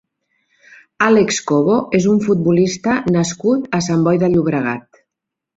Álex Cobo és un futbolista nascut a Sant Boi de Llobregat.